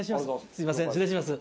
すいません失礼します。